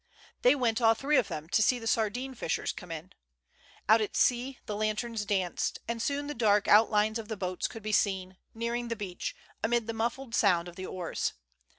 They went all three of them to see the sardine fishers come in. Out at sea the lanterns danced, and soon the dark out lines of the boats could be seen, nearing the beach, amid the muffled sound of the oars.